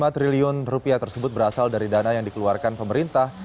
lima triliun rupiah tersebut berasal dari dana yang dikeluarkan pemerintah